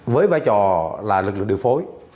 với vai trò là lực lượng điều phối